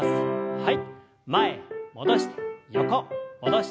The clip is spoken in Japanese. はい。